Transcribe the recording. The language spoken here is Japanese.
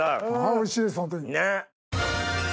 おいしいですホントに。